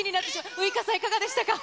ウイカさん、いかがでしたか？